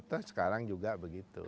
terus sekarang juga begitu